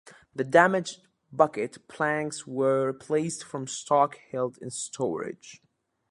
The damaged bucket planks were replaced from stock held in storage.